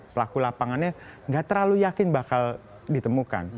pelaku lapangannya nggak terlalu yakin bakal ditemukan